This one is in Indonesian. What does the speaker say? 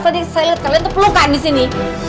saya jelas jelas tadi saya liat kalian tuh pelukan di sini